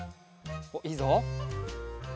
おっいいぞ。